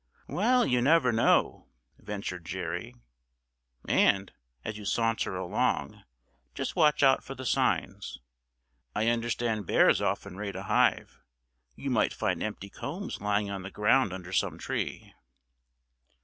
"Well, you never know," ventured Jerry; "and, as you saunter along, just watch out for the signs. I understand bears often raid a hive. You might find empty combs lying on the ground under some tree."